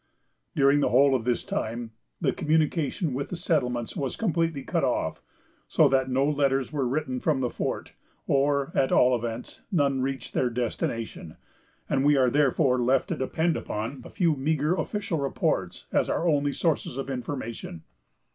During the whole of this time, the communication with the settlements was completely cut off, so that no letters were written from the fort, or, at all events, none reached their destination; and we are therefore left to depend upon a few meagre official reports, as our only sources of information.